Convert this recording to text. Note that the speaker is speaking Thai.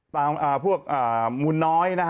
ตามพวกมูลน้อย